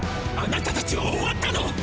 あなたたちは終わったの！！